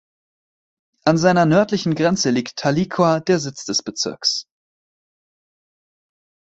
An seiner nördlichen Grenze liegt Tahlequah, der Sitz des Bezirks.